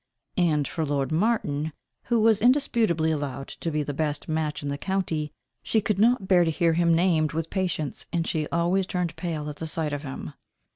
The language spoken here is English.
And for lord Martin, who was indisputably allowed to be the best match in the county, she could not bear to hear him named with patience, and she always turned pale at the sight of him.